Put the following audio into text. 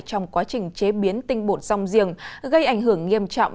rong giềng gây ảnh hưởng nghiêm trọng